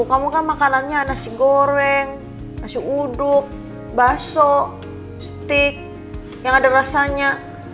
kamu kan makanannya nasi goreng nasi uduk baso stik yang ada rasanya